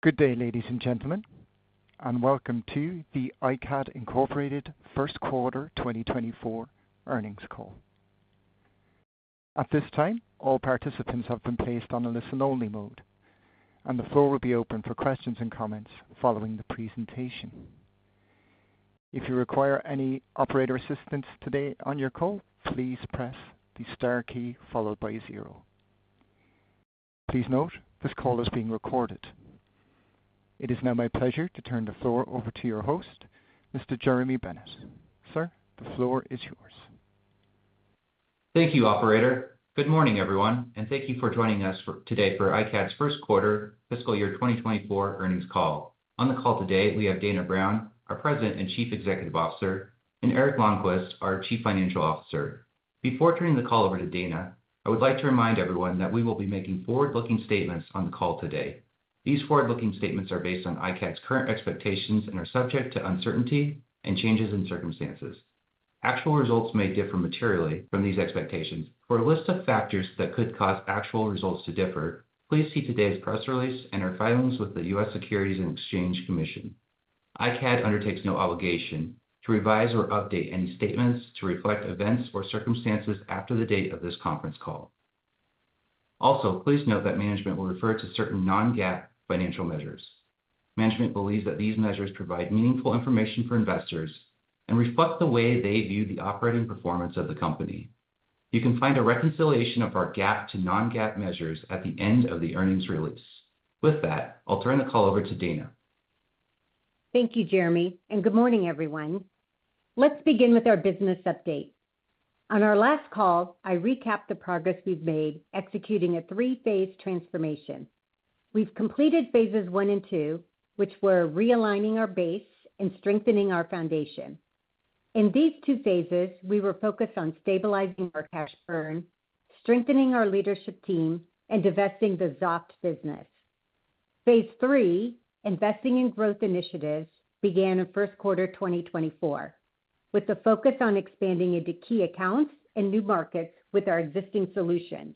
Good day, ladies and gentlemen, and welcome to the iCAD Incorporated First Quarter 2024 earnings call. At this time, all participants have been placed on a listen-only mode, and the floor will be open for questions and comments following the presentation. If you require any operator assistance today on your call, please press the star key followed by zero. Please note, this call is being recorded. It is now my pleasure to turn the floor over to your host, Mr. Jeremy Bennett. Sir, the floor is yours. Thank you, operator. Good morning, everyone, and thank you for joining us today for iCAD's first quarter fiscal year 2024 earnings call. On the call today, we have Dana Brown, our President and Chief Executive Officer, and Eric Lonnqvist, our Chief Financial Officer. Before turning the call over to Dana, I would like to remind everyone that we will be making forward-looking statements on the call today. These forward-looking statements are based on iCAD's current expectations and are subject to uncertainty and changes in circumstances. Actual results may differ materially from these expectations. For a list of factors that could cause actual results to differ, please see today's press release and our filings with the U.S. Securities and Exchange Commission. iCAD undertakes no obligation to revise or update any statements to reflect events or circumstances after the date of this conference call. Also, please note that management will refer to certain Non-GAAP financial measures. Management believes that these measures provide meaningful information for investors and reflect the way they view the operating performance of the company. You can find a reconciliation of our GAAP to Non-GAAP measures at the end of the earnings release. With that, I'll turn the call over to Dana. Thank you, Jeremy, and good morning, everyone. Let's begin with our business update. On our last call, I recapped the progress we've made executing a three-phase transformation. We've completed phases one and two, which were realigning our base and strengthening our foundation. In these two phases, we were focused on stabilizing our cash burn, strengthening our leadership team, and divesting the Xoft business. Phase three, investing in growth initiatives, began in first quarter 2024, with the focus on expanding into key accounts and new markets with our existing solutions.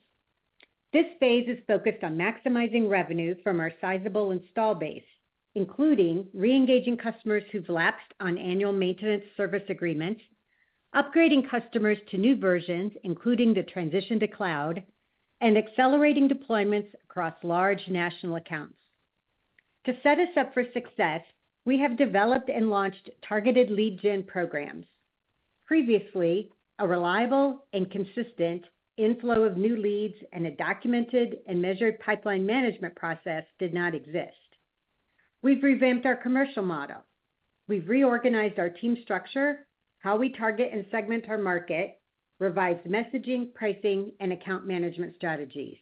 This phase is focused on maximizing revenue from our sizable install base, including reengaging customers who've lapsed on annual maintenance service agreements, upgrading customers to new versions, including the transition to cloud, and accelerating deployments across large national accounts. To set us up for success, we have developed and launched targeted lead gen programs. Previously, a reliable and consistent inflow of new leads and a documented and measured pipeline management process did not exist. We've revamped our commercial model. We've reorganized our team structure, how we target and segment our market, revised messaging, pricing, and account management strategies.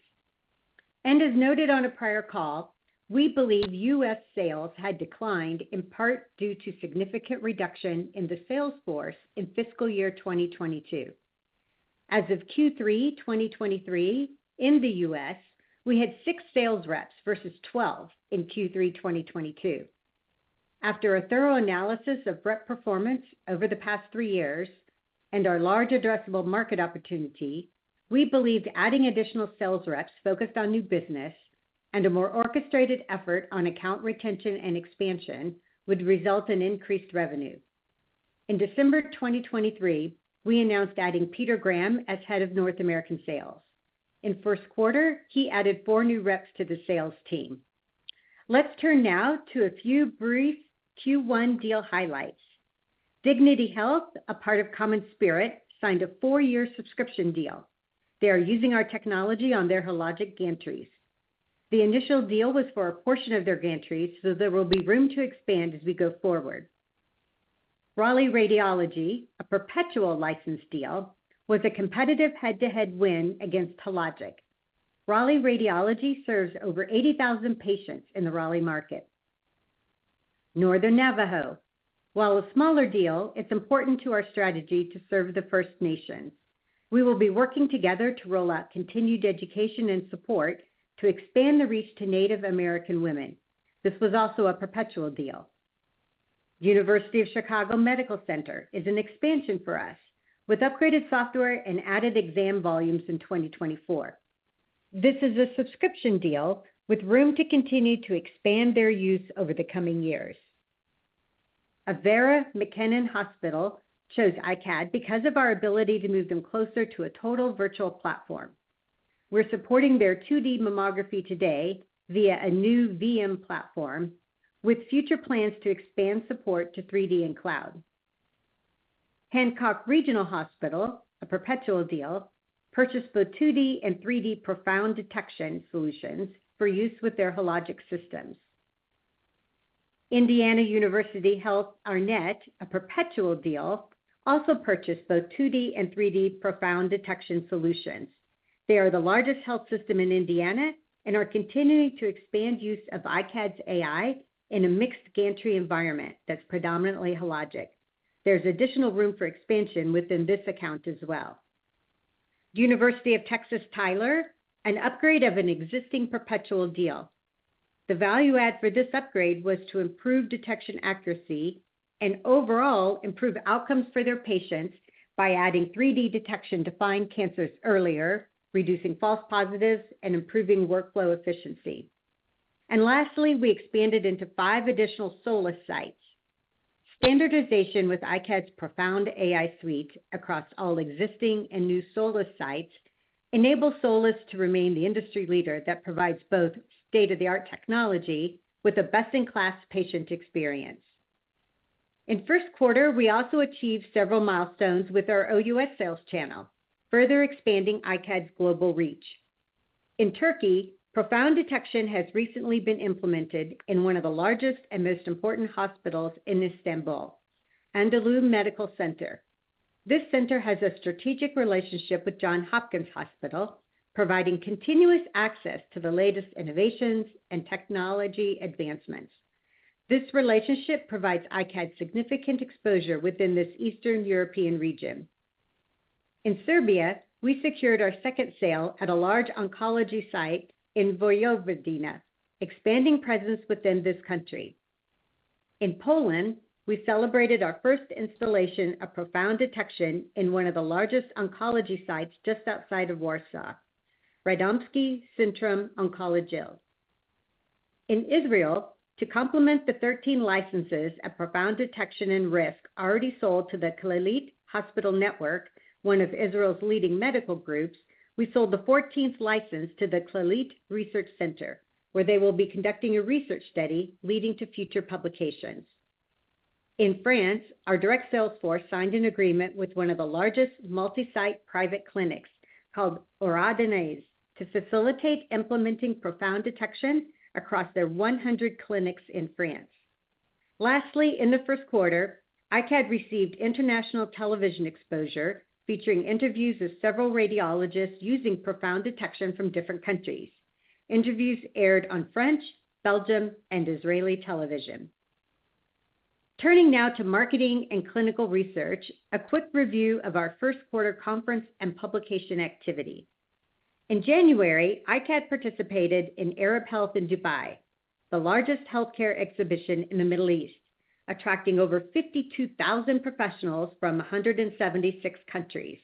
As noted on a prior call, we believe US sales had declined in part due to significant reduction in the sales force in fiscal year 2022. As of Q3 2023, in the US, we had 6 sales reps versus 12 in Q3 2022. After a thorough analysis of rep performance over the past three years and our large addressable market opportunity, we believed adding additional sales reps focused on new business and a more orchestrated effort on account retention and expansion would result in increased revenue. In December 2023, we announced adding Peter Graham as head of North American sales. In first quarter, he added four new reps to the sales team. Let's turn now to a few brief Q1 deal highlights. Dignity Health, a part of CommonSpirit, signed a four-year subscription deal. They are using our technology on their Hologic gantries. The initial deal was for a portion of their gantries, so there will be room to expand as we go forward. Raleigh Radiology, a perpetual license deal, was a competitive head-to-head win against Hologic. Raleigh Radiology serves over 80,000 patients in the Raleigh market. Northern Navajo. While a smaller deal, it's important to our strategy to serve the First Nations. We will be working together to roll out continued education and support to expand the reach to Native American women. This was also a perpetual deal. University of Chicago Medical Center is an expansion for us, with upgraded software and added exam volumes in 2024. This is a subscription deal with room to continue to expand their use over the coming years. Avera McKennan Hospital chose iCAD because of our ability to move them closer to a total virtual platform. We're supporting their 2D mammography today via a new VM platform, with future plans to expand support to 3D and cloud. Hancock Regional Hospital, a perpetual deal, purchased both 2D and 3D ProFound Detection solutions for use with their Hologic systems. Indiana University Health Arnett, a perpetual deal, also purchased both 2D and 3D ProFound Detection solutions. They are the largest health system in Indiana and are continuing to expand use of iCAD's AI in a mixed gantry environment that's predominantly Hologic. There's additional room for expansion within this account as well. University of Texas Tyler, an upgrade of an existing perpetual deal. The value add for this upgrade was to improve detection accuracy and overall improve outcomes for their patients by adding 3D detection to find cancers earlier, reducing false positives, and improving workflow efficiency. Lastly, we expanded into five additional Solis sites. Standardization with iCAD's ProFound AI suite across all existing and new Solis sites enables Solis to remain the industry leader that provides both state-of-the-art technology with a best-in-class patient experience. In first quarter, we also achieved several milestones with our OUS sales channel, further expanding iCAD's global reach. In Turkey, ProFound Detection has recently been implemented in one of the largest and most important hospitals in Istanbul, Anadolu Medical Center. This center has a strategic relationship with Johns Hopkins Hospital, providing continuous access to the latest innovations and technology advancements. This relationship provides iCAD significant exposure within this Eastern European region. In Serbia, we secured our second sale at a large oncology site in Vojvodina, expanding presence within this country. In Poland, we celebrated our first installation of ProFound Detection in one of the largest oncology sites just outside of Warsaw, Radomskie Centrum Onkologii. In Israel, to complement the 13 licenses of ProFound Detection and Risk already sold to the Clalit Hospital Network, one of Israel's leading medical groups, we sold the 14th license to the Clalit Research Center, where they will be conducting a research study leading to future publications. In France, our direct sales force signed an agreement with one of the largest multi-site private clinics called Oramedys, to facilitate implementing ProFound Detection across their 100 clinics in France. Lastly, in the first quarter, iCAD received international television exposure, featuring interviews with several radiologists using ProFound Detection from different countries. Interviews aired on French, Belgium, and Israeli television. Turning now to marketing and clinical research, a quick review of our first quarter conference and publication activity. In January, iCAD participated in Arab Health in Dubai, the largest healthcare exhibition in the Middle East, attracting over 52,000 professionals from 176 countries.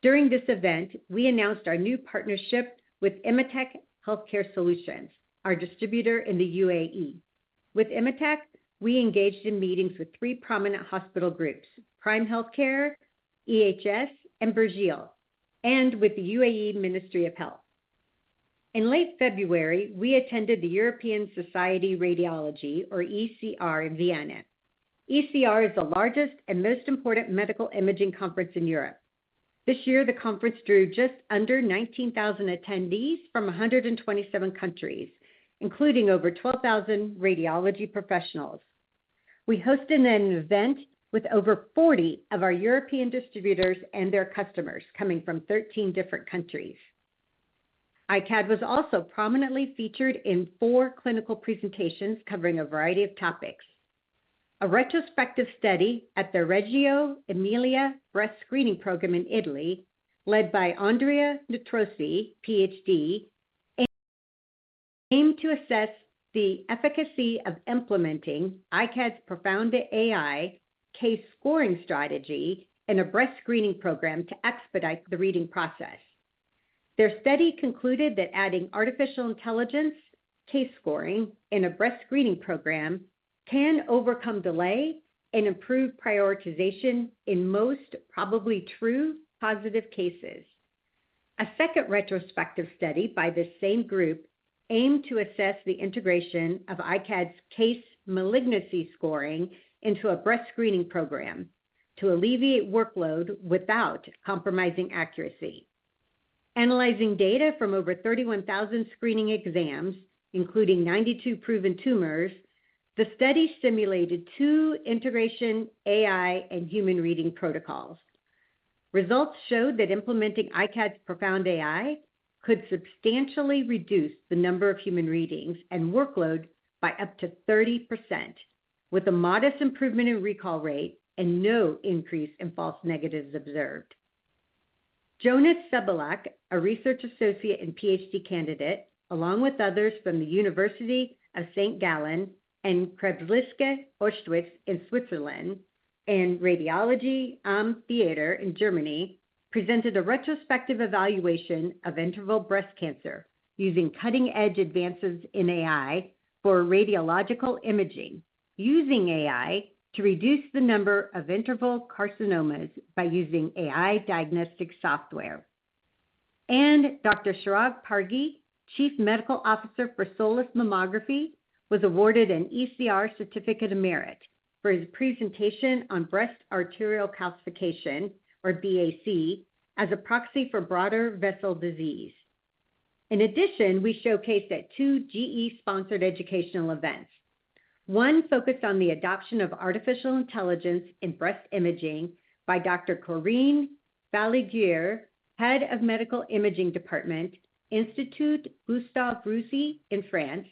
During this event, we announced our new partnership with Emitac Healthcare Solutions, our distributor in the UAE. With Emitac, we engaged in meetings with three prominent hospital groups, Prime Healthcare, EHS, and Burjeel, and with the UAE Ministry of Health. In late February, we attended the European Society of Radiology, or ECR, in Vienna. ECR is the largest and most important medical imaging conference in Europe. This year, the conference drew just under 19,000 attendees from 127 countries, including over 12,000 radiology professionals. We hosted an event with over 40 of our European distributors and their customers coming from 13 different countries. iCAD was also prominently featured in 4 clinical presentations covering a variety of topics. A retrospective study at the Reggio Emilia Breast Screening Program in Italy, led by Andrea Nitrosi, Ph.D., aimed to assess the efficacy of implementing iCAD's ProFound AI case scoring strategy in a breast screening program to expedite the reading process. Their study concluded that adding artificial intelligence case scoring in a breast screening program can overcome delay and improve prioritization in most probably true positive cases. A second retrospective study by the same group aimed to assess the integration of iCAD's case malignancy scoring into a breast screening program to alleviate workload without compromising accuracy. Analyzing data from over 31,000 screening exams, including 92 proven tumors, the study simulated 2 integration AI and human reading protocols. Results showed that implementing iCAD's ProFound AI could substantially reduce the number of human readings and workload by up to 30%, with a modest improvement in recall rate and no increase in false negatives observed. Jonas Cebulla, a research associate and PhD candidate, along with others from the University of St. Gallen and Krebsliga Ostschweiz in Switzerland, and Radiologie am Theater in Germany, presented a retrospective evaluation of interval breast cancer using cutting-edge advances in AI for radiological imaging, using AI to reduce the number of interval carcinomas by using AI diagnostic software. Dr. Chirag Parghi, Chief Medical Officer for Solis Mammography, was awarded an ECR Certificate of Merit for his presentation on breast arterial calcification, or BAC, as a proxy for broader vessel disease. In addition, we showcased at two GE-sponsored educational events. One focused on the adoption of artificial intelligence in breast imaging by Dr. Corinne Balleyguier, Head of Medical Imaging Department, Institut Gustave Roussy in France,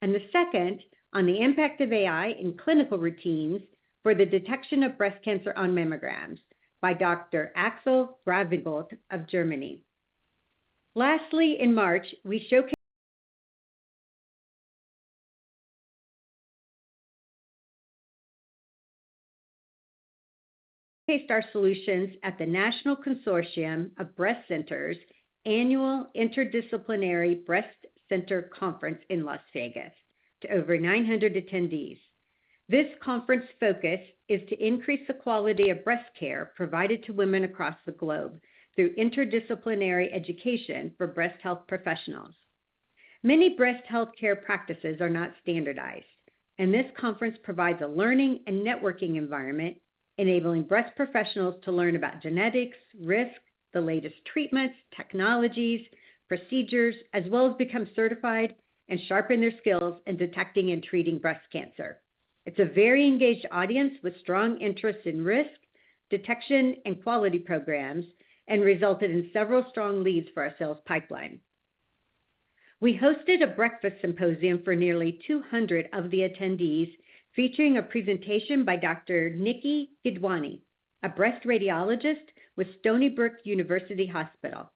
and the second on the impact of AI in clinical routines for the detection of breast cancer on mammograms by Dr. Axel Gräwingholt of Germany. Lastly, in March, we showcased our solutions at the National Consortium of Breast Centers Annual Interdisciplinary Breast Center Conference in Las Vegas to over 900 attendees. This conference focus is to increase the quality of breast care provided to women across the globe through interdisciplinary education for breast health professionals. Many breast healthcare practices are not standardized, and this conference provides a learning and networking environment, enabling breast professionals to learn about genetics, risk, the latest treatments, technologies, procedures, as well as become certified and sharpen their skills in detecting and treating breast cancer. It's a very engaged audience with strong interest in risk, detection, and quality programs, and resulted in several strong leads for our sales pipeline. We hosted a breakfast symposium for nearly 200 of the attendees, featuring a presentation by Dr. Nikki Gidwani, a breast radiologist with Stony Brook University Hospital.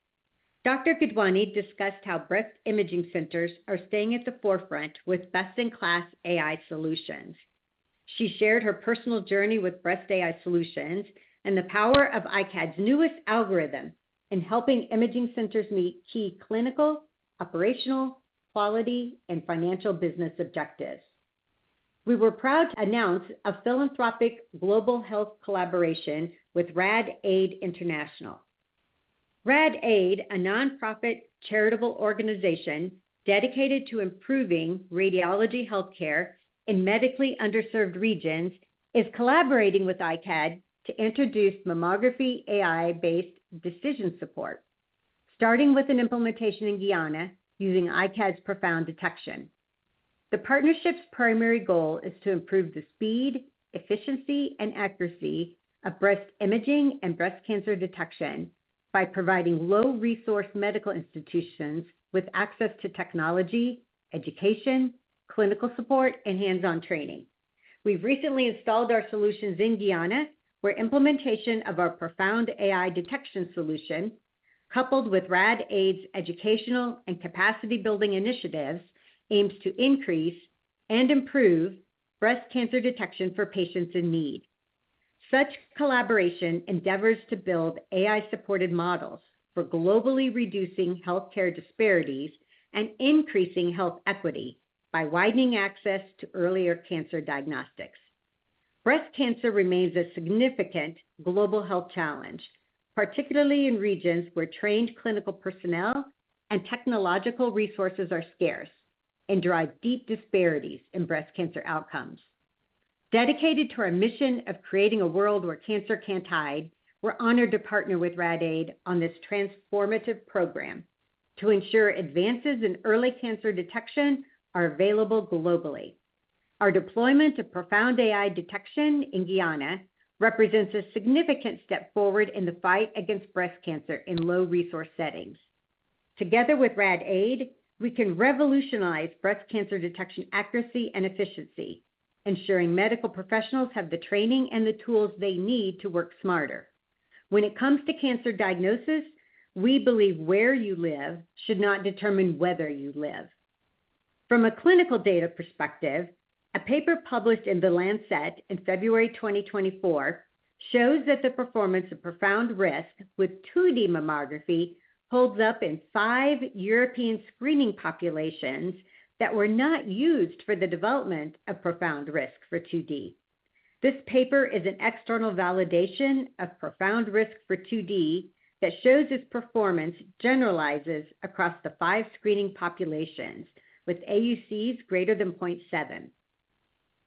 Dr. Gidwani discussed how breast imaging centers are staying at the forefront with best-in-class AI solutions. She shared her personal journey with breast AI solutions and the power of iCAD's newest algorithm in helping imaging centers meet key clinical, operational, quality, and financial business objectives. We were proud to announce a philanthropic global health collaboration with RAD-AID International. RAD-AID, a nonprofit charitable organization dedicated to improving radiology healthcare in medically underserved regions, is collaborating with iCAD to introduce mammography AI-based decision support, starting with an implementation in Guyana using iCAD's ProFound Detection. The partnership's primary goal is to improve the speed, efficiency, and accuracy of breast imaging and breast cancer detection by providing low-resource medical institutions with access to technology, education, clinical support, and hands-on training. We've recently installed our solutions in Guyana, where implementation of our ProFound AI detection solution, coupled with RAD-AID's educational and capacity-building initiatives, aims to increase and improve breast cancer detection for patients in need. Such collaboration endeavors to build AI-supported models for globally reducing healthcare disparities and increasing health equity by widening access to earlier cancer diagnostics. Breast cancer remains a significant global health challenge, particularly in regions where trained clinical personnel and technological resources are scarce and drive deep disparities in breast cancer outcomes. Dedicated to our mission of creating a world where cancer can't hide, we're honored to partner with RAD-AID on this transformative program to ensure advances in early cancer detection are available globally. Our deployment of ProFound AI Detection in Guyana represents a significant step forward in the fight against breast cancer in low-resource settings. Together with RAD-AID, we can revolutionize breast cancer detection accuracy and efficiency, ensuring medical professionals have the training and the tools they need to work smarter. When it comes to cancer diagnosis, we believe where you live should not determine whether you live. From a clinical data perspective, a paper published in The Lancet in February 2024 shows that the performance of ProFound Risk with 2D mammography holds up in five European screening populations that were not used for the development of ProFound Risk for 2D. This paper is an external validation of ProFound Risk for 2D that shows its performance generalizes across the five screening populations, with AUCs greater than 0.7.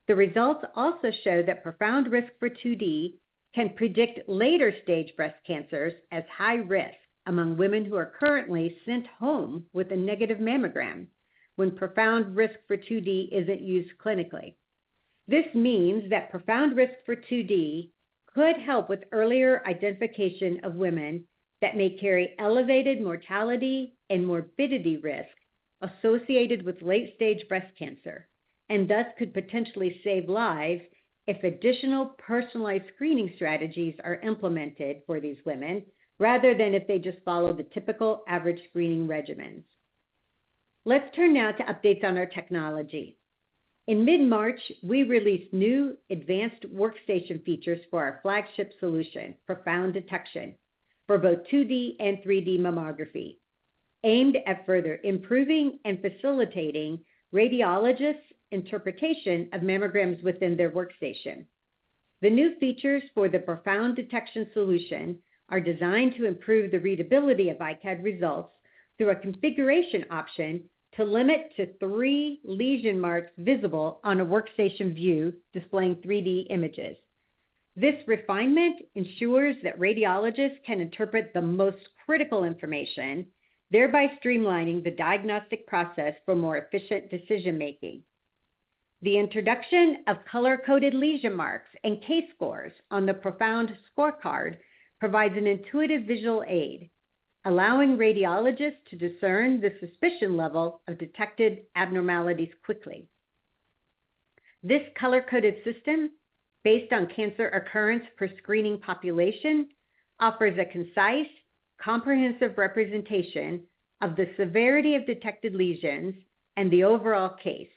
The results also show that ProFound Risk for 2D can predict later-stage breast cancers as high risk among women who are currently sent home with a negative mammogram when ProFound Risk for 2D isn't used clinically. This means that ProFound Risk for 2D could help with earlier identification of women that may carry elevated mortality and morbidity risk associated with late-stage breast cancer, and thus could potentially save lives if additional personalized screening strategies are implemented for these women, rather than if they just follow the typical average screening regimens. Let's turn now to updates on our technology. In mid-March, we released new advanced workstation features for our flagship solution, ProFound Detection, for both 2D and 3D mammography, aimed at further improving and facilitating radiologists' interpretation of mammograms within their workstation. The new features for the ProFound Detection solution are designed to improve the readability of iCAD results through a configuration option to limit to three lesion marks visible on a workstation view displaying 3D images. This refinement ensures that radiologists can interpret the most critical information, thereby streamlining the diagnostic process for more efficient decision-making. The introduction of color-coded lesion marks and case scores on the ProFound scorecard provides an intuitive visual aid, allowing radiologists to discern the suspicion level of detected abnormalities quickly. This color-coded system, based on cancer occurrence per screening population, offers a concise, comprehensive representation of the severity of detected lesions and the overall case...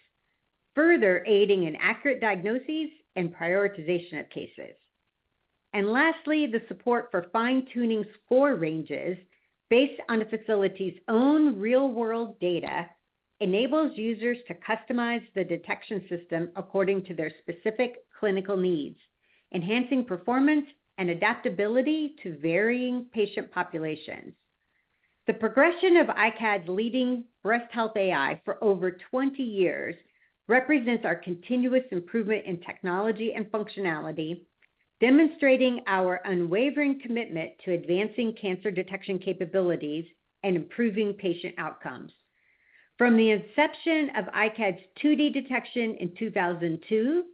further aiding in accurate diagnoses and prioritization of cases. And lastly, the support for fine-tuning score ranges based on a facility's own real-world data enables users to customize the detection system according to their specific clinical needs, enhancing performance and adaptability to varying patient populations. The progression of iCAD's leading breast health AI for over 20 years represents our continuous improvement in technology and functionality, demonstrating our unwavering commitment to advancing cancer detection capabilities and improving patient outcomes. From the inception of iCAD's 2D detection in 2002,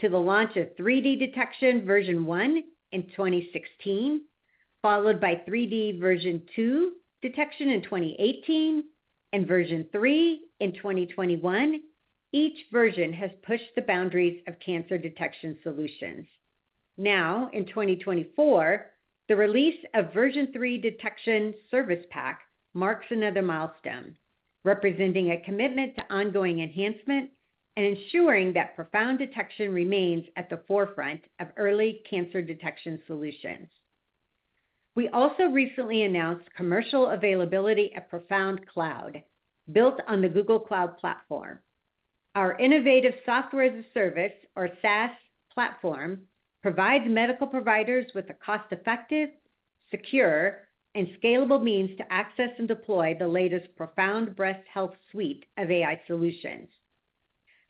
to the launch of 3D detection version 1 in 2016, followed by 3D version 2 detection in 2018, and version 3 in 2021, each version has pushed the boundaries of cancer detection solutions. Now, in 2024, the release of version 3 detection service pack marks another milestone, representing a commitment to ongoing enhancement and ensuring that ProFound Detection remains at the forefront of early cancer detection solutions. We also recently announced commercial availability of ProFound Cloud, built on the Google Cloud Platform. Our innovative Software as a Service, or SaaS, platform provides medical providers with a cost-effective, secure, and scalable means to access and deploy the latest ProFound Breast Health Suite of AI solutions.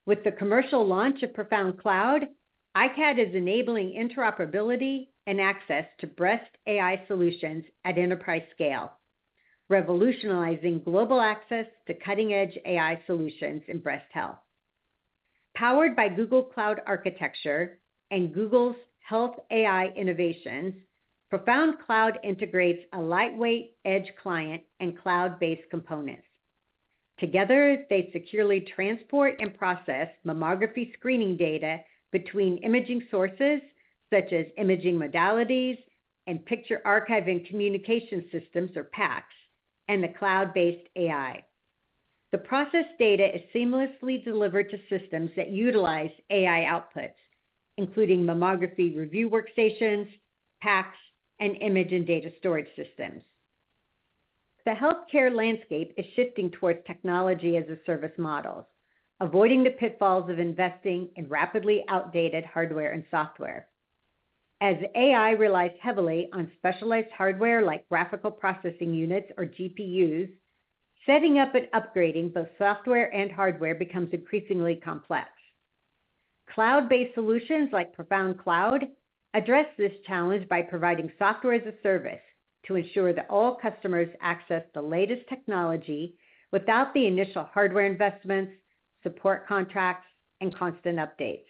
With the commercial launch of ProFound Cloud, iCAD is enabling interoperability and access to breast AI solutions at enterprise scale, revolutionizing global access to cutting-edge AI solutions in breast health. Powered by Google Cloud Architecture and Google's Health AI innovations, ProFound Cloud integrates a lightweight edge client and cloud-based components. Together, they securely transport and process mammography screening data between imaging sources, such as imaging modalities and picture archiving communication systems, or PACS, and the cloud-based AI. The process data is seamlessly delivered to systems that utilize AI outputs, including mammography review workstations, PACS, and image and data storage systems. The healthcare landscape is shifting towards technology as a service model, avoiding the pitfalls of investing in rapidly outdated hardware and software. As AI relies heavily on specialized hardware like graphical processing units or GPUs, setting up and upgrading both software and hardware becomes increasingly complex. Cloud-based solutions like ProFound Cloud address this challenge by providing Software as a Service to ensure that all customers access the latest technology without the initial hardware investments, support contracts, and constant updates.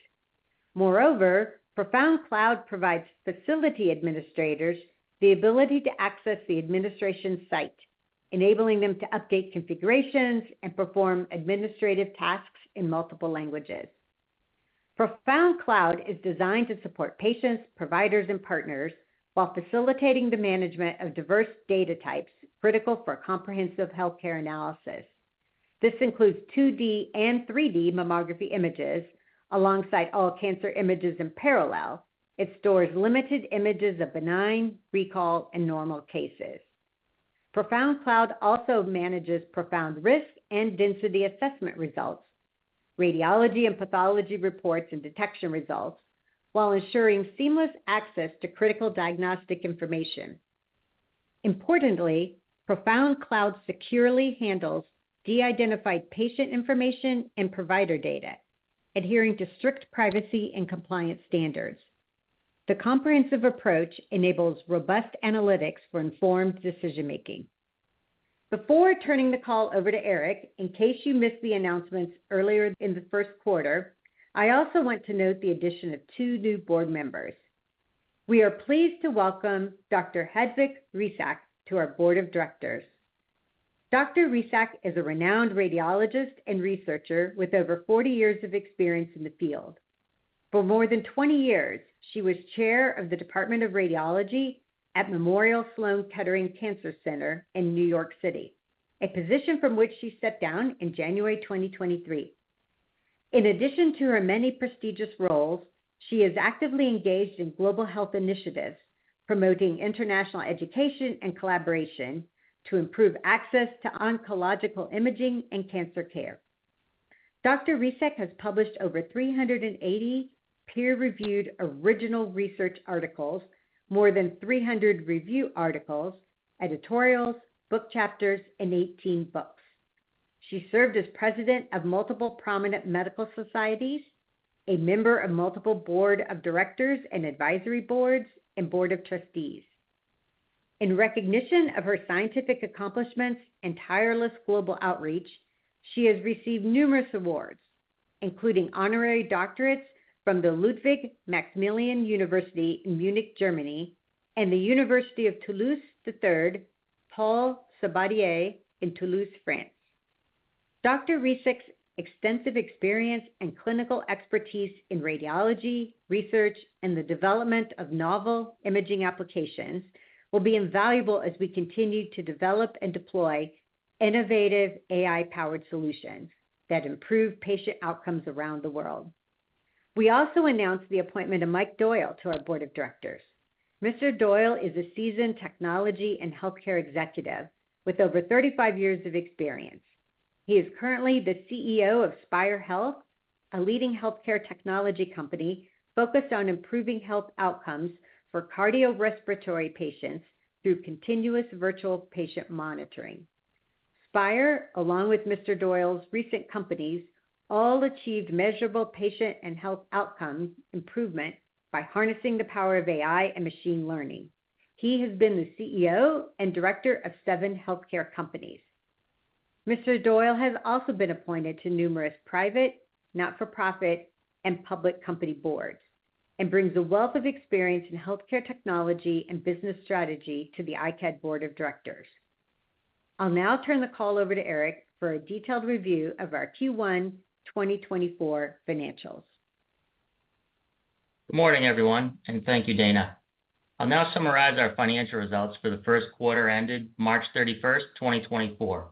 Moreover, ProFound Cloud provides facility administrators the ability to access the administration site, enabling them to update configurations and perform administrative tasks in multiple languages. ProFound Cloud is designed to support patients, providers, and partners while facilitating the management of diverse data types, critical for comprehensive healthcare analysis. This includes 2D and 3D mammography images alongside all cancer images in parallel. It stores limited images of benign, recall, and normal cases. ProFound Cloud also manages ProFound Risk and density assessment results, radiology and pathology reports, and detection results, while ensuring seamless access to critical diagnostic information. Importantly, ProFound Cloud securely handles de-identified patient information and provider data, adhering to strict privacy and compliance standards. The comprehensive approach enables robust analytics for informed decision-making. Before turning the call over to Eric, in case you missed the announcements earlier in the first quarter, I also want to note the addition of two new board members. We are pleased to welcome Dr. Hedvig Hricak to our board of directors. Dr. Hricak is a renowned radiologist and researcher with over 40 years of experience in the field. For more than 20 years, she was chair of the Department of Radiology at Memorial Sloan Kettering Cancer Center in New York City, a position from which she stepped down in January 2023. In addition to her many prestigious roles, she is actively engaged in global health initiatives, promoting international education and collaboration to improve access to oncological imaging and cancer care. Dr. Hricak has published over 380 peer-reviewed original research articles, more than 300 review articles, editorials, book chapters, and 18 books. She served as president of multiple prominent medical societies, a member of multiple board of directors and advisory boards, and board of trustees. In recognition of her scientific accomplishments and tireless global outreach, she has received numerous awards, including honorary doctorates from the Ludwig Maximilian University in Munich, Germany, and the University of Toulouse III - Paul Sabatier in Toulouse, France. Dr. Hricak's extensive experience and clinical expertise in radiology, research, and the development of novel imaging applications will be invaluable as we continue to develop and deploy innovative AI-powered solutions that improve patient outcomes around the world. We also announced the appointment of Mike Doyle to our board of directors. Mr. Doyle is a seasoned technology and healthcare executive with over 35 years of experience. He is currently the CEO of Spire Health, a leading healthcare technology company focused on improving health outcomes for cardiorespiratory patients through continuous virtual patient monitoring. Spire, along with Mr. Doyle's recent companies, all achieved measurable patient and health outcomes improvement by harnessing the power of AI and machine learning. He has been the CEO and director of seven healthcare companies. Mr. Doyle has also been appointed to numerous private, not-for-profit, and public company boards, and brings a wealth of experience in healthcare technology and business strategy to the iCAD board of directors. I'll now turn the call over to Eric for a detailed review of our Q1 2024 financials. Good morning, everyone, and thank you, Dana. I'll now summarize our financial results for the first quarter ended March 31, 2024.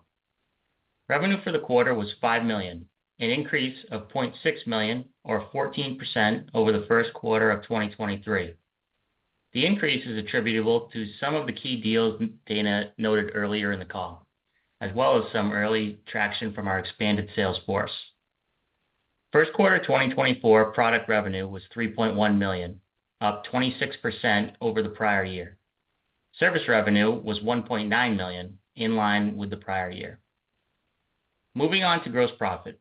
Revenue for the quarter was $5 million, an increase of $0.6 million, or 14% over the first quarter of 2023. The increase is attributable to some of the key deals Dana noted earlier in the call, as well as some early traction from our expanded sales force. First quarter 2024, product revenue was $3.1 million, up 26% over the prior year. Service revenue was $1.9 million, in line with the prior year. Moving on to gross profit.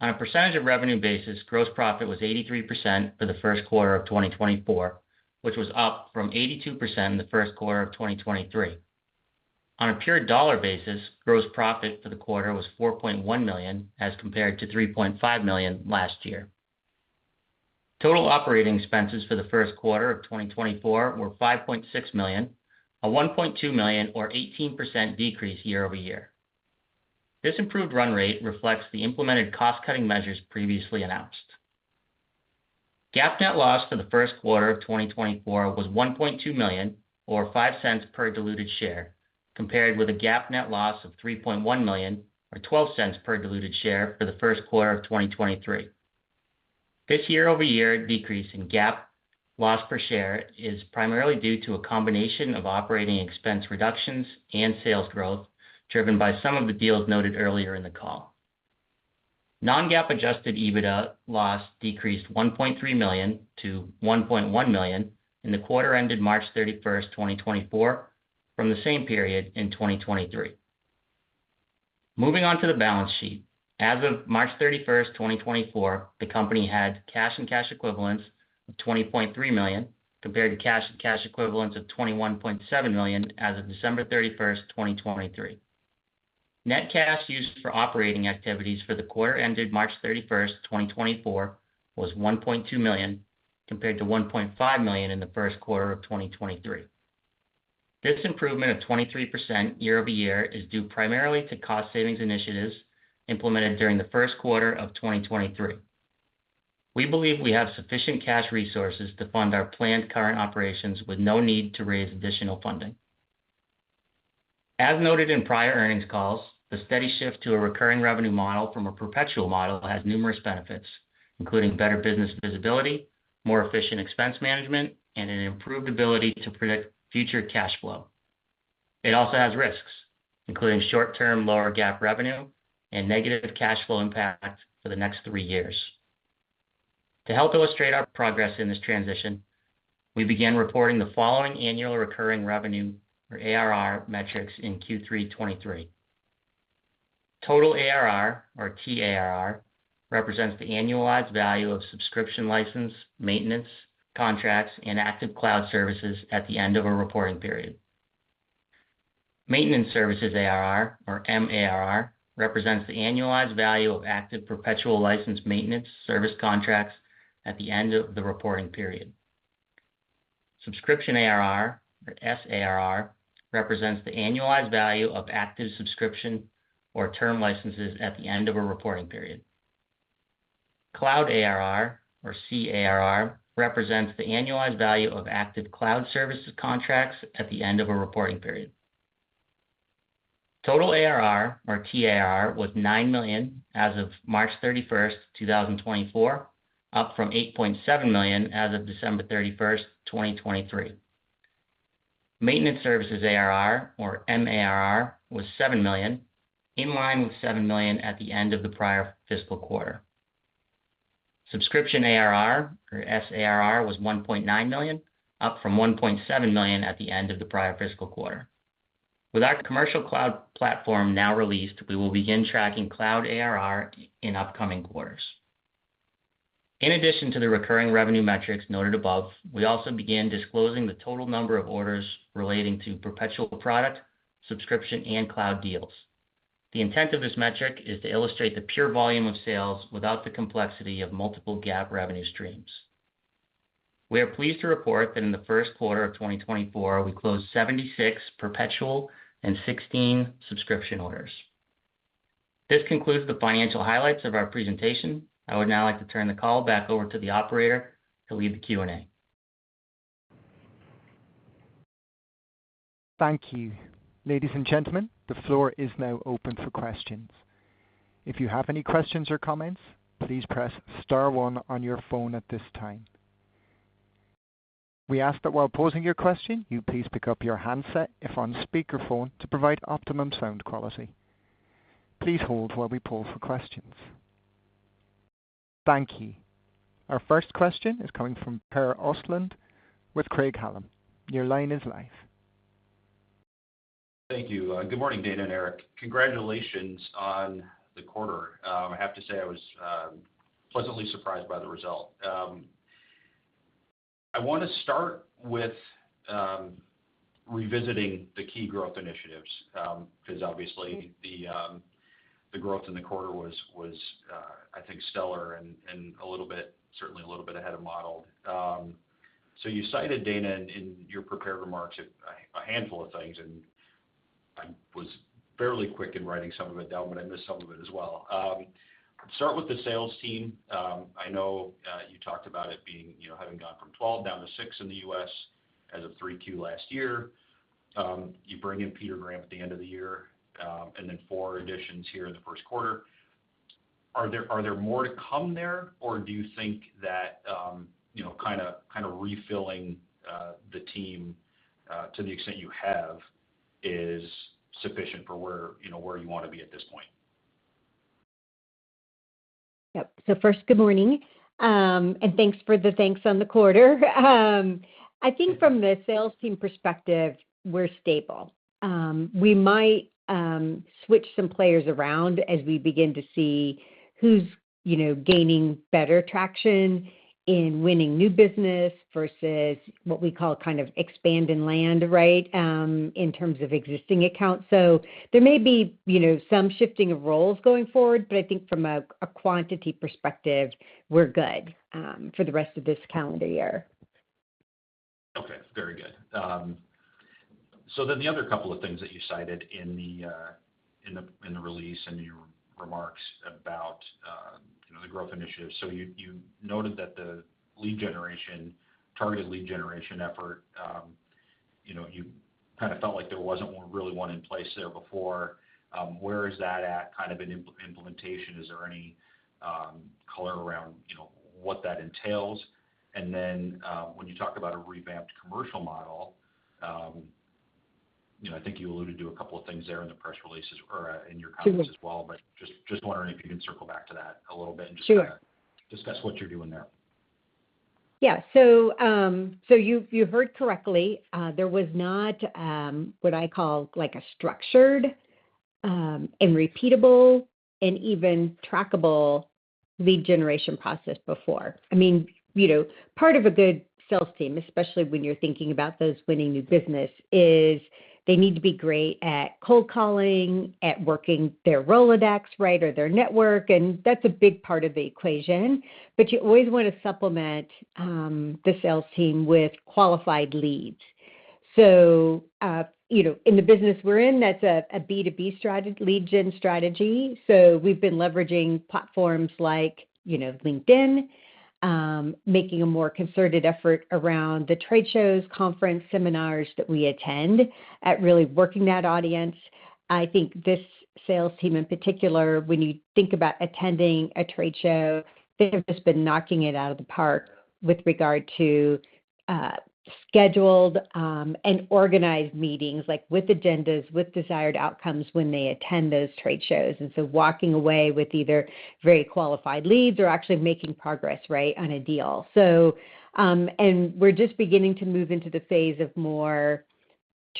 On a percentage of revenue basis, gross profit was 83% for the first quarter of 2024, which was up from 82% in the first quarter of 2023. On a pure dollar basis, gross profit for the quarter was $4.1 million, as compared to $3.5 million last year. Total operating expenses for the first quarter of 2024 were $5.6 million, a $1.2 million or 18% decrease year-over-year. This improved run rate reflects the implemented cost-cutting measures previously announced. GAAP net loss for the first quarter of 2024 was $1.2 million, or $0.05 per diluted share, compared with a GAAP net loss of $3.1 million, or $0.12 per diluted share for the first quarter of 2023. This year-over-year decrease in GAAP loss per share is primarily due to a combination of operating expense reductions and sales growth, driven by some of the deals noted earlier in the call. Non-GAAP Adjusted EBITDA loss decreased $1.3 million to $1.1 million in the quarter ended March 31, 2024, from the same period in 2023. Moving on to the balance sheet. As of March 31, 2024, the company had cash and cash equivalents of $20.3 million, compared to cash and cash equivalents of $21.7 million as of December 31, 2023. Net cash used for operating activities for the quarter ended March 31, 2024, was $1.2 million, compared to $1.5 million in the first quarter of 2023. This improvement of 23% year-over-year is due primarily to cost savings initiatives implemented during the first quarter of 2023. We believe we have sufficient cash resources to fund our planned current operations with no need to raise additional funding. As noted in prior earnings calls, the steady shift to a recurring revenue model from a perpetual model has numerous benefits, including better business visibility, more efficient expense management, and an improved ability to predict future cash flow. It also has risks, including short-term lower GAAP revenue and negative cash flow impact for the next three years. To help illustrate our progress in this transition, we began reporting the following annual recurring revenue, or ARR, metrics in Q3 2023. Total ARR, or TARR, represents the annualized value of subscription license, maintenance, contracts, and active cloud services at the end of a reporting period. Maintenance services ARR, or MARR, represents the annualized value of active perpetual license maintenance service contracts at the end of the reporting period. Subscription ARR, or SARR, represents the annualized value of active subscription or term licenses at the end of a reporting period. Cloud ARR, or CARR, represents the annualized value of active cloud services contracts at the end of a reporting period. Total ARR, or TAR, was $9 million as of March 31st, 2024, up from $8.7 million as of December 31st, 2023. Maintenance services ARR, or MARR, was $7 million, in line with $7 million at the end of the prior fiscal quarter. Subscription ARR, or SARR, was $1.9 million, up from $1.7 million at the end of the prior fiscal quarter. With our commercial cloud platform now released, we will begin tracking cloud ARR in upcoming quarters. In addition to the recurring revenue metrics noted above, we also began disclosing the total number of orders relating to perpetual product, subscription, and cloud deals. The intent of this metric is to illustrate the pure volume of sales without the complexity of multiple GAAP revenue streams. We are pleased to report that in the first quarter of 2024, we closed 76 perpetual and 16 subscription orders. This concludes the financial highlights of our presentation. I would now like to turn the call back over to the operator to lead the Q&A.... Thank you. Ladies and gentlemen, the floor is now open for questions. If you have any questions or comments, please press star one on your phone at this time. We ask that while posing your question, you please pick up your handset if on speakerphone to provide optimum sound quality. Please hold while we pull for questions. Thank you. Our first question is coming from Per Ostlund with Craig-Hallum. Your line is live. Thank you. Good morning, Dana and Eric. Congratulations on the quarter. I have to say, I was pleasantly surprised by the result. I want to start with revisiting the key growth initiatives, because obviously the growth in the quarter was, I think, stellar and a little bit, certainly a little bit ahead of model. So you cited, Dana, in your prepared remarks a handful of things, and I was fairly quick in writing some of it down, but I missed some of it as well. Start with the sales team. I know you talked about it being, you know, having gone from 12 down to 6 in the US as of 3Q last year. You bring in Peter Graham at the end of the year, and then four additions here in the first quarter. Are there more to come there, or do you think that, you know, kinda refilling the team to the extent you have, is sufficient for where, you know, where you want to be at this point? Yep. So first, good morning, and thanks for the thanks on the quarter. I think from the sales team perspective, we're stable. We might switch some players around as we begin to see who's, you know, gaining better traction in winning new business versus what we call kind of expand and land, right, in terms of existing accounts. So there may be, you know, some shifting of roles going forward, but I think from a quantity perspective, we're good, for the rest of this calendar year. Okay, very good. So then the other couple of things that you cited in the release and your remarks about, you know, the growth initiatives. So you noted that the lead generation, targeted lead generation effort, you know, you kinda felt like there wasn't really one in place there before. Where is that at, kind of in implementation? Is there any color around, you know, what that entails? And then, when you talk about a revamped commercial model, you know, I think you alluded to a couple of things there in the press releases or, in your comments as well- Sure. - but just wondering if you can circle back to that a little bit- Sure. And just discuss what you're doing there. Yeah. So you, you heard correctly. There was not what I call, like, a structured and repeatable and even trackable lead generation process before. I mean, you know, part of a good sales team, especially when you're thinking about those winning new business, is they need to be great at cold calling, at working their Rolodex, right, or their network, and that's a big part of the equation. But you always want to supplement the sales team with qualified leads. So, you know, in the business we're in, that's a B2B strategy, lead gen strategy. So we've been leveraging platforms like, you know, LinkedIn, making a more concerted effort around the trade shows, conference, seminars that we attend at really working that audience. I think this sales team in particular, when you think about attending a trade show, they have just been knocking it out of the park with regard to scheduled and organized meetings, like with agendas, with desired outcomes when they attend those trade shows, and so walking away with either very qualified leads or actually making progress, right, on a deal. So, we're just beginning to move into the phase of more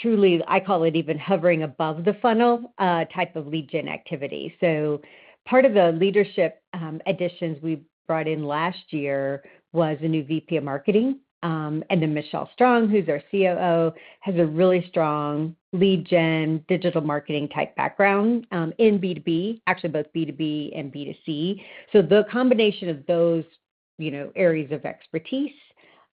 truly, I call it, even hovering above the funnel type of lead gen activity. So part of the leadership additions we brought in last year was a new VP of Marketing. And then Michelle Strong, who's our COO, has a really strong lead gen, digital marketing type background in B2B, actually both B2B and B2C. So the combination of those, you know, areas of expertise,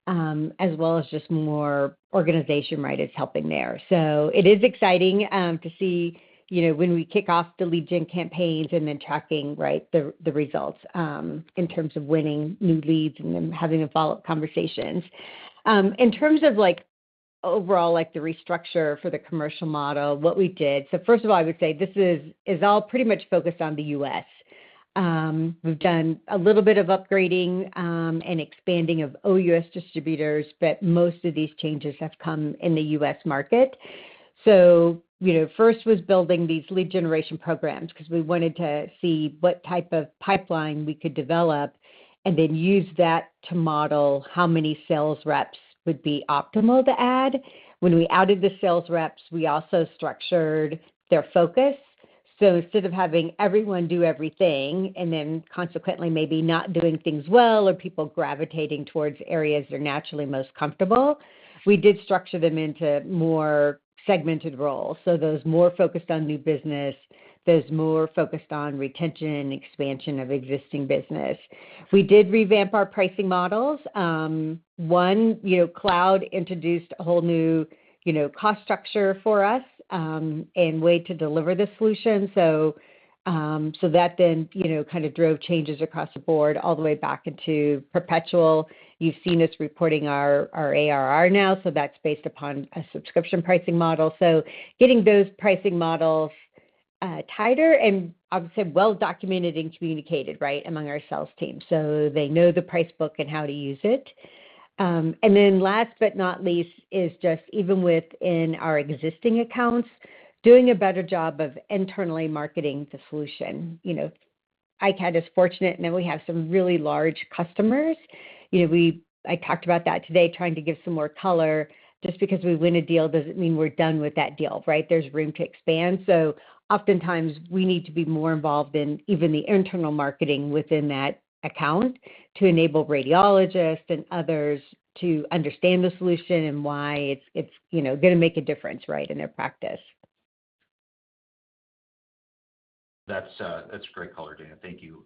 as well as just more organization wide, is helping there. So it is exciting, to see, you know, when we kick off the lead gen campaigns and then tracking, right, the results, in terms of winning new leads and then having the follow-up conversations. In terms of like overall, like the restructure for the commercial model, what we did. So first of all, I would say this is all pretty much focused on the U.S. We've done a little bit of upgrading, and expanding of OUS distributors, but most of these changes have come in the U.S. market. So, you know, first was building these lead generation programs because we wanted to see what type of pipeline we could develop and then use that to model how many sales reps would be optimal to add. When we added the sales reps, we also structured their focus. So instead of having everyone do everything and then consequently maybe not doing things well or people gravitating towards areas they're naturally most comfortable, we did structure them into more segmented roles. So those more focused on new business, those more focused on retention and expansion of existing business. We did revamp our pricing models. One, you know, cloud introduced a whole new, you know, cost structure for us, and way to deliver the solution. So, so that then, you know, kind of drove changes across the board all the way back into perpetual. You've seen us reporting our ARR now, so that's based upon a subscription pricing model. So getting those pricing models tighter and obviously well documented and communicated, right, among our sales team. So they know the price book and how to use it. And then last but not least, is just even within our existing accounts, doing a better job of internally marketing the solution. You know, iCAD is fortunate, and then we have some really large customers. You know, I talked about that today, trying to give some more color. Just because we win a deal doesn't mean we're done with that deal, right? There's room to expand. Oftentimes we need to be more involved in even the internal marketing within that account to enable radiologists and others to understand the solution and why it's, you know, gonna make a difference, right, in their practice. That's great color, Dana. Thank you.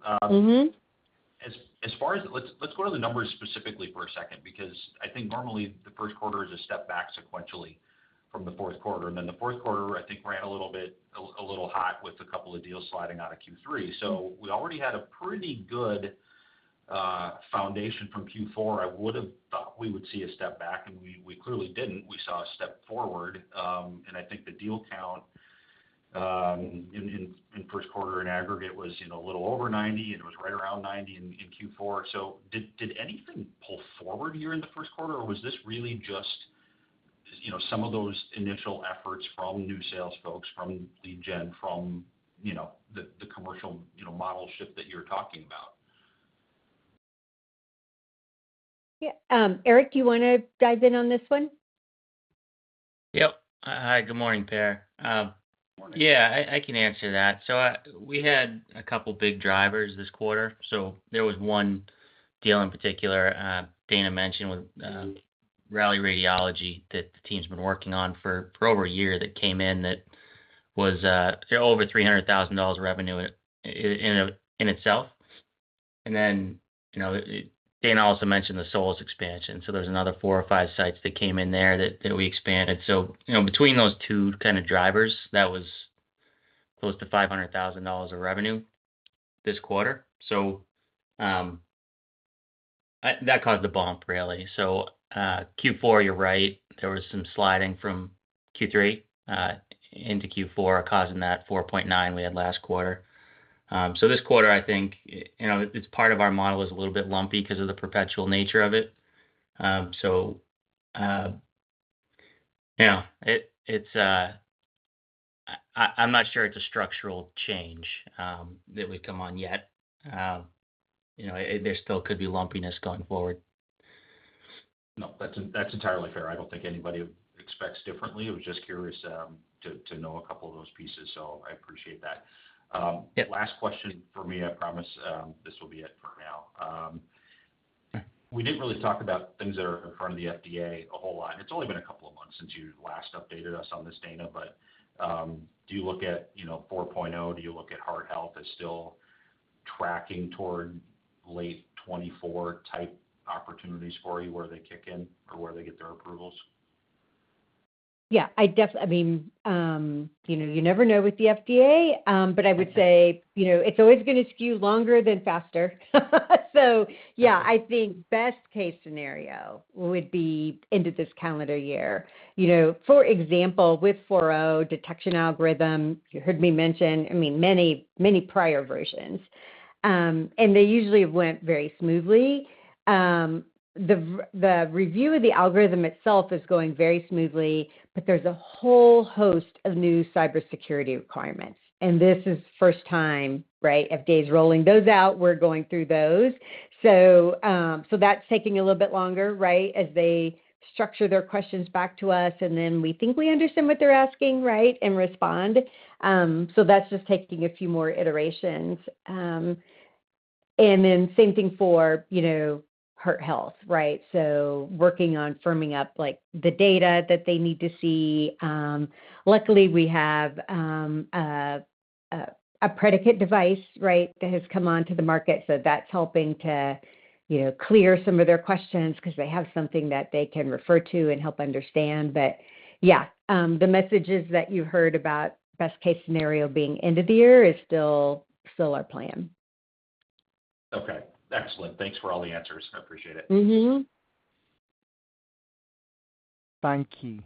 As far as... Let's go to the numbers specifically for a second, because I think normally the first quarter is a step back sequentially from the fourth quarter, and then the fourth quarter, I think, ran a little bit a little hot with a couple of deals sliding out of Q3. So we already had a pretty good foundation from Q4. I would have thought we would see a step back, and we clearly didn't. We saw a step forward, and I think the deal count in first quarter in aggregate was, you know, a little over 90, and it was right around 90 in Q4. So did anything pull forward here in the first quarter, or was this really just, you know, some of those initial efforts from new sales folks, from lead gen, from, you know, the commercial, you know, model shift that you're talking about? Yeah. Eric, do you wanna dive in on this one? Yep. Hi, good morning, Per. Good morning. Yeah, I can answer that. So, we had a couple big drivers this quarter. So there was one deal in particular, Dana mentioned with RadNet, that the team's been working on for over a year, that came in, that was over $300,000 revenue in itself. And then, you know, Dana also mentioned the Solis expansion, so there's another 4 or 5 sites that came in there that we expanded. So, you know, between those two kind of drivers, that was close to $500,000 of revenue this quarter. So, that caused the bump, really. So, Q4, you're right, there was some sliding from Q3 into Q4, causing that 4.9 we had last quarter. So this quarter, I think, you know, it's part of our model is a little bit lumpy because of the perpetual nature of it. I'm not sure it's a structural change that we've come on yet. You know, there still could be lumpiness going forward. No, that's entirely fair. I don't think anybody expects differently. I was just curious to know a couple of those pieces, so I appreciate that. Last question for me. I promise, this will be it for now. We didn't really talk about things that are in front of the FDA a whole lot. It's only been a couple of months since you last updated us on this, Dana, but, do you look at, you know, 4.0, do you look at Heart Health as still tracking toward late 2024 type opportunities for you, where they kick in or where they get their approvals? Yeah, I mean, you know, you never know with the FDA, but I would say, you know, it's always gonna skew longer than faster. So yeah, I think best case scenario would be end of this calendar year. You know, for example, with 4.0 detection algorithm, you heard me mention, I mean, many, many prior versions, and they usually went very smoothly. The review of the algorithm itself is going very smoothly, but there's a whole host of new cybersecurity requirements, and this is first time, right, FDA's rolling those out, we're going through those. So, so that's taking a little bit longer, right, as they structure their questions back to us, and then we think we understand what they're asking, right, and respond. So that's just taking a few more iterations. And then same thing for, you know, Heart Health, right? So working on firming up, like, the data that they need to see. Luckily, we have a predicate device, right, that has come onto the market, so that's helping to, you know, clear some of their questions because they have something that they can refer to and help understand. But yeah, the messages that you heard about best case scenario being end of the year is still, still our plan. Okay, excellent. Thanks for all the answers. I appreciate it. Thank you.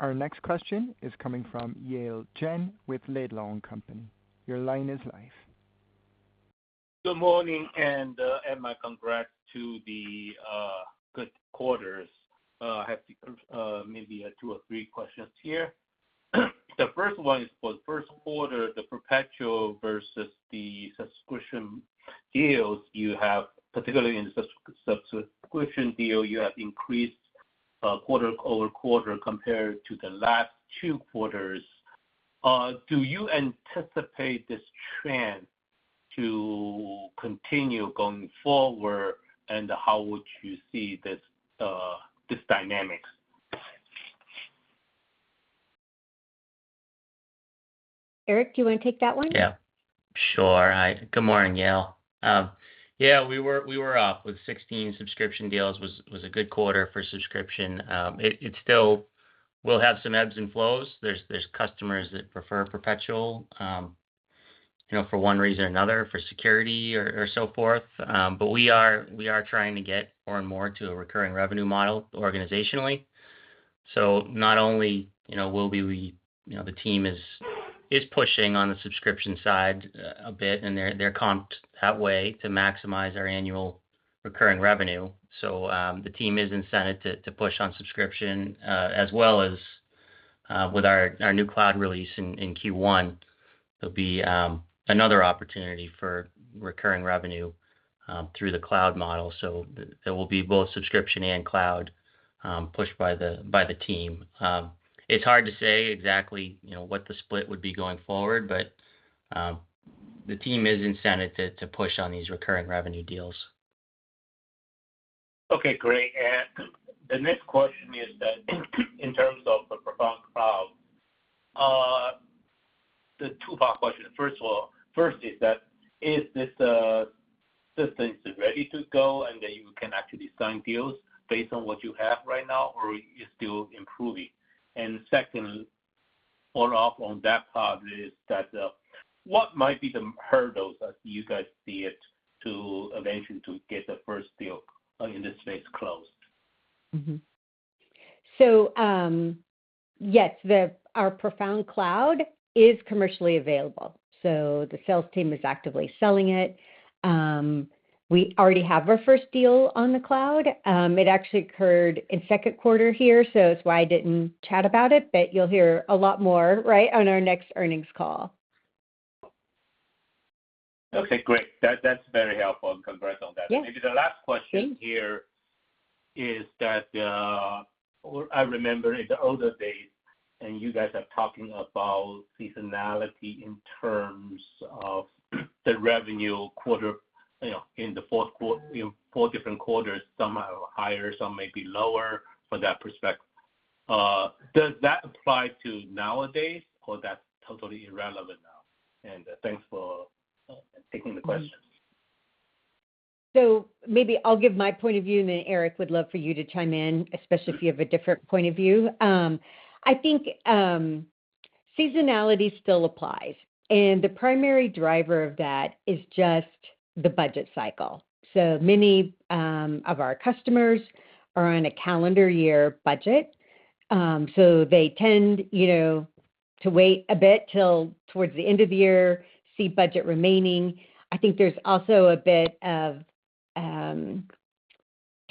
Our next question is coming from Laidlaw & Company. your line is live. Good morning, and my congrats to the good quarters. I have to maybe two or three questions here. The first one is, for first quarter, the perpetual versus the subscription deals you have, particularly in the subscription deal, you have increased quarter-over-quarter compared to the last two quarters. Do you anticipate this trend to continue going forward, and how would you see this dynamics? Eric, do you want to take that one? Yeah, sure. Hi, good morning, Yale. Yeah, we were up with 16 subscription deals. It was a good quarter for subscription. It still will have some ebbs and flows. There's customers that prefer perpetual, you know, for one reason or another, for security or so forth. But we are trying to get more and more to a recurring revenue model organizationally. So not only, you know, will we be, you know, the team is pushing on the subscription side a bit, and they're comped that way to maximize our annual recurring revenue. So, the team is incented to push on subscription, as well as with our new cloud release in Q1. There'll be another opportunity for recurring revenue through the cloud model, so there will be both subscription and cloud pushed by the team. It's hard to say exactly, you know, what the split would be going forward, but the team is incented to push on these recurring revenue deals. Okay, great. And the next question is that in terms of the ProFound Cloud, the two-part question. First of all, first is that, is this system ready to go, and then you can actually sign deals based on what you have right now, or are you still improving? And secondly, follow-up on that part is that, what might be the hurdles as you guys see it, to eventually to get the first deal, in this space closed? Mm-hmm. So, yes, our ProFound Cloud is commercially available, so the sales team is actively selling it. We already have our first deal on the cloud. It actually occurred in second quarter here, so it's why I didn't chat about it, but you'll hear a lot more, right, on our next earnings call. Okay, great. That, that's very helpful, and congrats on that. Yeah. Maybe the last question here is that, I remember in the older days, and you guys are talking about seasonality in terms of the revenue quarter, you know, in the fourth quarter, you know, four different quarters, some are higher, some may be lower from that perspective. Does that apply to nowadays, or that's totally irrelevant now? And thanks for taking the questions. So maybe I'll give my point of view, and then, Eric, would love for you to chime in, especially if you have a different point of view. I think, seasonality still applies, and the primary driver of that is just the budget cycle. So many, of our customers are on a calendar year budget, so they tend, you know, to wait a bit till towards the end of the year, see budget remaining. I think there's also a bit of,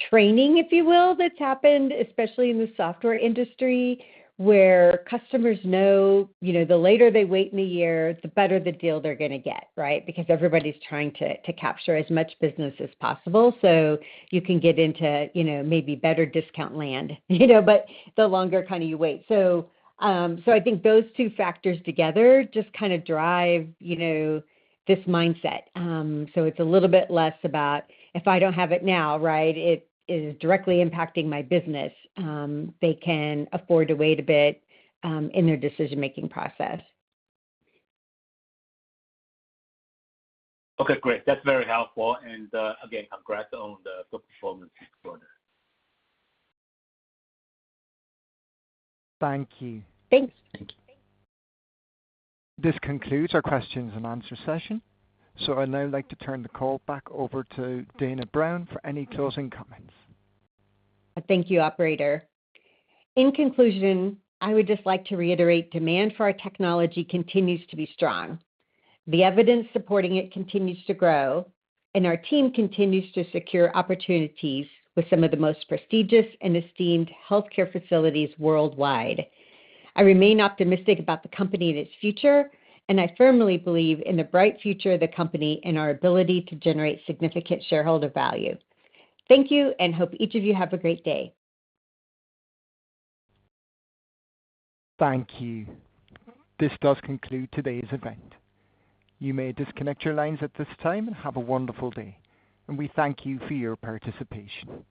training, if you will, that's happened, especially in the software industry, where customers know, you know, the later they wait in the year, the better the deal they're gonna get, right? Because everybody's trying to capture as much business as possible. So you can get into, you know, maybe better discount land, you know, but the longer kind of you wait. So I think those two factors together just kind of drive, you know, this mindset. So it's a little bit less about, "If I don't have it now, right, it is directly impacting my business." They can afford to wait a bit in their decision-making process. Okay, great. That's very helpful. And, again, congrats on the good performance exposure. Thank you. Thanks. This concludes our questions and answer session. So I'd now like to turn the call back over to Dana Brown for any closing comments. Thank you, Operator. In conclusion, I would just like to reiterate demand for our technology continues to be strong. The evidence supporting it continues to grow, and our team continues to secure opportunities with some of the most prestigious and esteemed healthcare facilities worldwide. I remain optimistic about the company and its future, and I firmly believe in the bright future of the company and our ability to generate significant shareholder value. Thank you, and hope each of you have a great day. Thank you. This does conclude today's event. You may disconnect your lines at this time. Have a wonderful day, and we thank you for your participation.